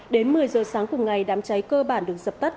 đến một mươi giờ sáng cùng ngày đám cháy cơ bản được dập tắt